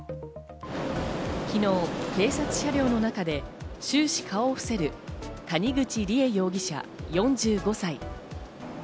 昨日、警察車両の中で終始顔を伏せる谷口梨恵容疑者、４５歳。